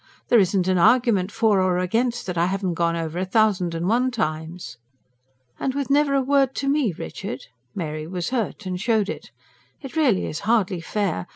There isn't an argument for or against, that I haven't gone over a thousand and one times." "And with never a word to me, Richard?" Mary was hurt; and showed it. "It really is hardly fair.